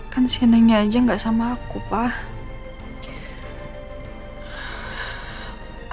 kan sienna nya aja gak sama aku pak